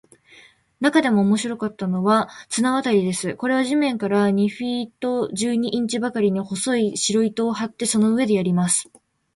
なかでも面白かったのは、綱渡りです。これは地面から二フィート十二インチばかりに、細い白糸を張って、その上でやります。